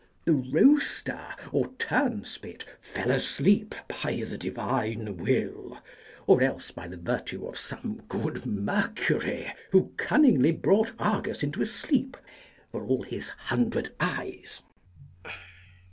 The roaster or turnspit fell asleep by the divine will, or else by the virtue of some good Mercury, who cunningly brought Argus into a sleep for all his hundred eyes.